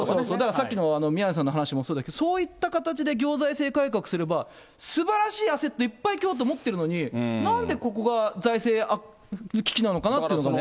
さっきの宮根さんの話もそうだし、そういった形で行財政改革すれば、すばらしいアセットを京都は持ってるのに、なんでここが財政危機なのかなっていうんでね。